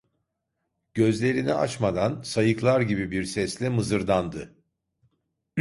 Gözlerini açmadan, sayıklar gibi bir sesle mızırdandı: